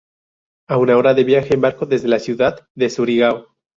A una hora de viaje en barco desde la ciudad de Surigao.